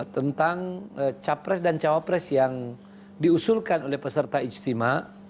tentang capres dan cawapres yang diusulkan oleh peserta ijtima